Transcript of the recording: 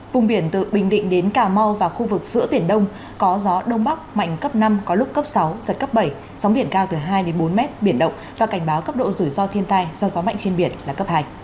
vùng biển từ bình định đến cà mau và khu vực giữa biển đông có gió đông bắc mạnh cấp năm có lúc cấp sáu giật cấp bảy sóng biển cao từ hai bốn m biển động và cảnh báo cấp độ rủi ro thiên tai do gió mạnh trên biển là cấp hai